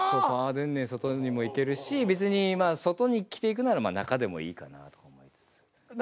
パーデンネン外にも行けるし別に外に着ていくなら中でもいいかなと思いつつ。